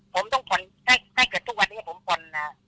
ผมต้องพรให้ให้เกิดทุกวันนี้ผมพรอะ